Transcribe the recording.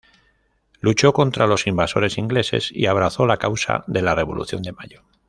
Luchó contra los invasores ingleses y abrazó la causa de la Revolución de Mayo.